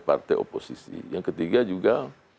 partai oposisi yang ketiga juga